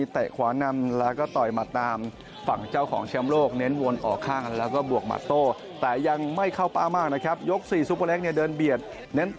ถอยมาตามฝั่งเจ้าของเชียร์โลกเน้นวนออกข้างแล้วก็บวกมาโต้